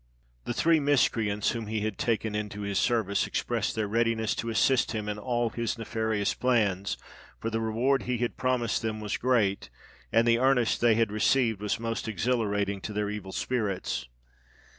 The three miscreants, whom he had taken into his service, expressed their readiness to assist him in all his nefarious plans; for the reward he had promised them was great, and the earnest they had received was most exhilirating to their evil spirits.